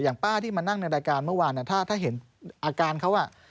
ป้าที่มานั่งในรายการเมื่อวานถ้าเห็นอาการเขาอ่ะ